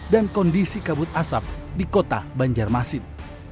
dan kondisi kabut asap di kota banjarmasin